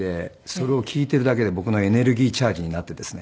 それを聞いているだけで僕のエネルギーチャージになってですね。